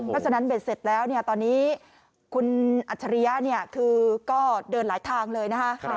เพราะฉะนั้นเบ็ดเสร็จแล้วตอนนี้คุณอัจฉริยะคือก็เดินหลายทางเลยนะคะ